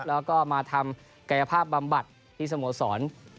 แล้วก็มาทำกายภาพบำบัดที่สโมสร